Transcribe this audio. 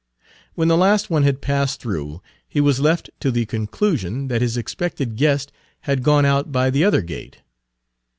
When the last one had passed through he was left to the conclusion that his expected guest had gone out by the other gate.